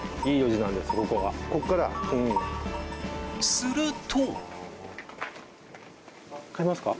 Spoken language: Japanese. すると。